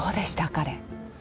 彼。